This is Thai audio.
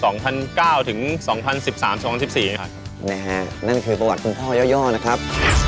นเป็นนั่นคือประวัติคุณพ่อย่อนะครับ